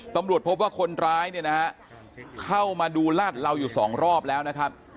ตำรวจพบว่าคนร้ายเข้ามาดูลาดเราอยู่๒รอบแล้วนะครับ